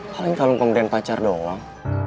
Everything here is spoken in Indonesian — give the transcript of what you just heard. kalung ini kalung pemberian pacar doang